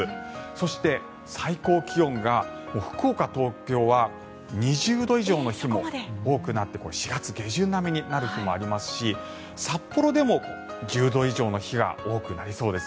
そして、最高気温が福岡、東京は２０度以上の日も多くなって４月下旬並みになる日もありますし札幌でも１０度以上の日が多くなりそうです。